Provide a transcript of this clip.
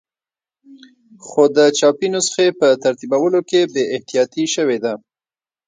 خو د چاپي نسخې په ترتیبولو کې بې احتیاطي شوې ده.